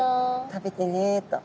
食べてねと。